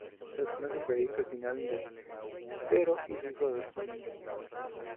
Se desconoce el veredicto final de Pero y su hijo Rodrigo Niño.